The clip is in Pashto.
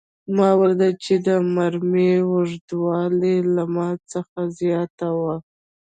ما ولیدل چې د مرمۍ اوږدوالی له ما څخه زیات و